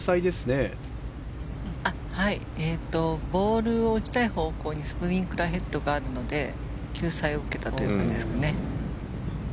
ボールを打ちたい方向にスプリンクラーヘッドがあるので救済を受けた感じですね。